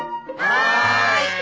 はい！